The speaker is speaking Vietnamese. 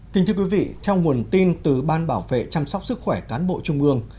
kính thưa quý vị theo nguồn tin từ ban bảo vệ chăm sóc sức khỏe cán bộ trung ương